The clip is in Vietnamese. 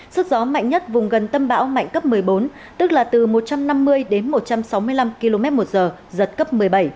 sức gió mạnh nhất vùng gần tâm bão mạnh cấp một mươi bốn tức là từ một trăm năm mươi đến một trăm sáu mươi năm km một giờ giật cấp một mươi bảy